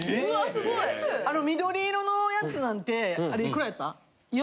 あの緑色のやつなんてあれいくらやった？